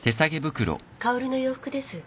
薫の洋服です。